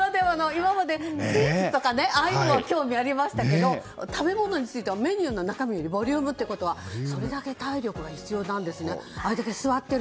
今までスイーツとかああいうの興味ありましたが食べ物については中身がボリュームということはそれだけ体力が必要なんですね。